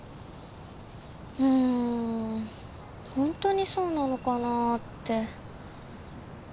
うーん本当にそうなのかなあって。